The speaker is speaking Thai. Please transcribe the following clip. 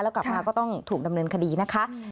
แล้วกลับมาก็ต้องถูกดำเนินคดีนะคะ